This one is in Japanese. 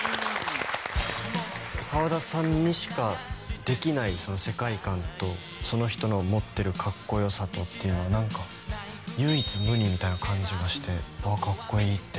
沢田さんにしかできない世界観とその人の持ってるかっこよさとっていうのはなんか唯一無二みたいな感じがしてああかっこいいって。